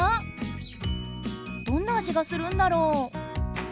どんな味がするんだろう？